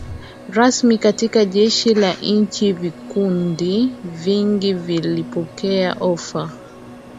rasmi katika jeshi la nchi Vikundi vingi vilipokea ofa